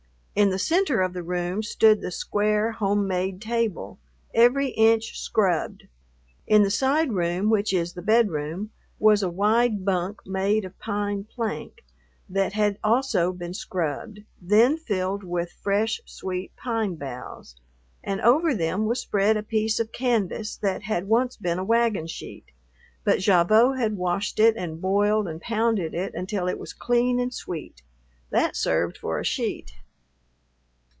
In the center of the room stood the square home made table, every inch scrubbed. In the side room, which is the bedroom, was a wide bunk made of pine plank that had also been scrubbed, then filled with fresh, sweet pine boughs, and over them was spread a piece of canvas that had once been a wagon sheet, but Gavotte had washed it and boiled and pounded it until it was clean and sweet. That served for a sheet.